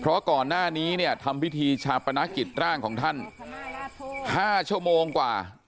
เพราะก่อนหน้านี้เนี่ยทำพิธีชาปนกิจร่างของท่าน๕ชั่วโมงกว่า